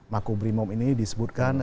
makubrimum ini disebutkan